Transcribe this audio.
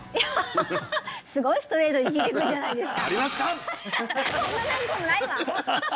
すごいストレートに聞いてくるじゃないですか